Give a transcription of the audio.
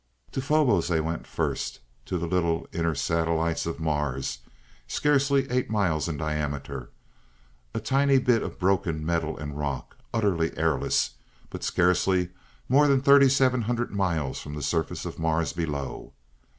To Phobos they went first, to the little inner satellite of Mars, scarcely eight miles in diameter, a tiny bit of broken metal and rock, utterly airless, but scarcely more than 3700 miles from the surface of Mars below.